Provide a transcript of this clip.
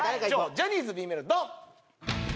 ジャニーズＢメロドン！